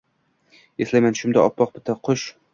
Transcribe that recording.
Eslayman: tushimda oppoq bitta qush